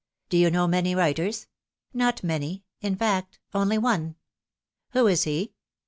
" Do you know many writers ?"" Not many in fact, only one." " Who is he